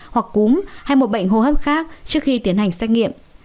hoặc cúm hay một bệnh hô hấp khác trước khi tiến hành xét nghiệm